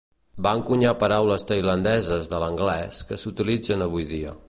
Va encunyar paraules tailandeses de l'anglès que s'utilitzen avui dia.